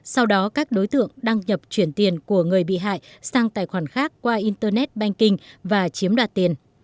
sau đó các đối tượng đăng nhập chuyển tiền của người bị hại sang tài khoản khác qua internet banking và chiếm đoạt tiền